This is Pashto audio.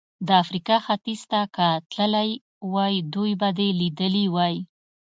د افریقا ختیځ ته که تللی وای، دوی به دې لیدلي وای.